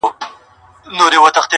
په تېره چاړه یې زه پرېکوم غاړه -